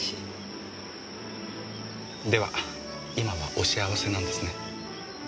では今はお幸せなんですね。